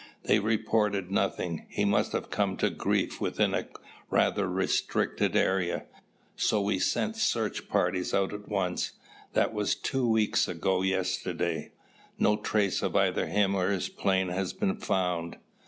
They reported nothing. He must have come to grief within a rather restricted area, so we sent search parties out at once. That was two weeks ago yesterday. No trace of either him or his plane has been found."